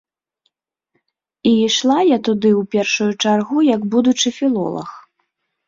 І ішла я туды ў першую чаргу як будучы філолаг.